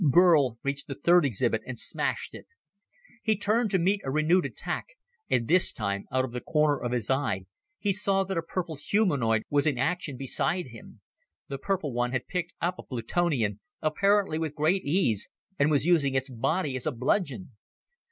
Burl reached the third exhibit and smashed it. He turned to meet a renewed attack, and this time, out of the corner of his eye, he saw that a purple humanoid was in action beside him. The purple one had picked up a Plutonian, apparently with great ease, and was using its body as a bludgeon.